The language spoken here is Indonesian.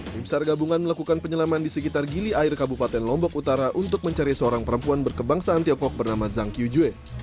tim sar gabungan melakukan penyelaman di sekitar gili air kabupaten lombok utara untuk mencari seorang perempuan berkebangsaan tiongkok bernama zhang kyujue